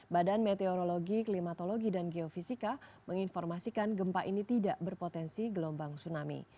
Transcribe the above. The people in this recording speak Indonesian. badan meteorologi klimatologi dan geofisika menginformasikan gempa ini tidak berpotensi gelombang tsunami